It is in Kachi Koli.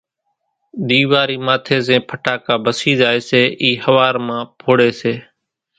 ۮيواري ماٿي زين ڦٽاڪا ڀسي زائي سيِ اِي ۿوار مان ڦوڙي سي